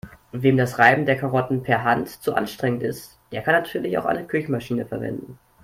Wem das Reiben der Karotten per Hand zu anstrengend ist, der kann natürlich auch eine Küchenmaschine verwenden.